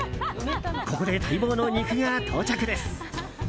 ここで待望の肉が到着です。